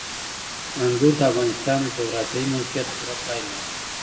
انګور د افغانستان د جغرافیایي موقیعت پوره پایله ده.